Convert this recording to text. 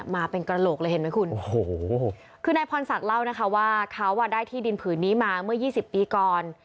มาเป็นกระโหลกเลยเห็นไหมคุณโอ้โหคือนายพรศักดิ์เล่านะคะว่าเขาได้ที่ดินผืนนี้มาเมื่อ๒๐ปีก่อน